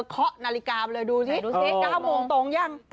เคาะนาฬิกามาเลยดูสิดูสิ๙โมงตรงยัง